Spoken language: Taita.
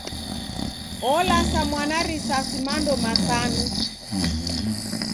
Olasa mwana na risasi mando masanu!